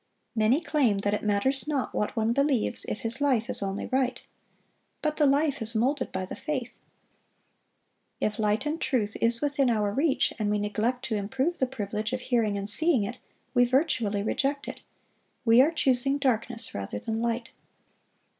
Many claim that it matters not what one believes, if his life is only right. But the life is moulded by the faith. If light and truth is within our reach, and we neglect to improve the privilege of hearing and seeing it, we virtually reject it; we are choosing darkness rather than light.